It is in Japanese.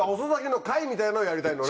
みたいのをやりたいのね？